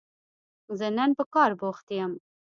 زه نن په کار بوخت يم